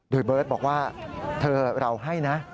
โดยเบิร์ตบอกว่าเธอเราให้นะ